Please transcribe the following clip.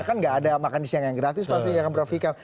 kan gak ada makan di siang yang gratis pasti yang akan berafikan